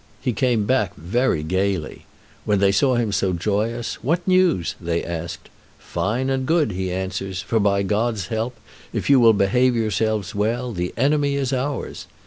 He came back very gayly; when they saw him so joyous, "What news?" they asked. "Fine and good," he answers; "for, by God's help, if you will behave yourselves well, the enemy is ours."